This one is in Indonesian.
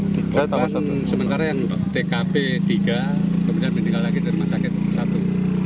korban sementara yang tkp tiga kemudian meninggal lagi di rumah sakit satu